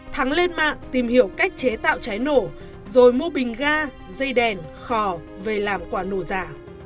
thắng lên mạng tìm hiểu cách chế tạo cháy nổ rồi mua bình ga dây đèn khỏ về làm quả nổ giả